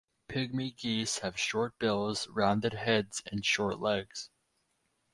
Pygmy geese have short bills, rounded heads and short legs.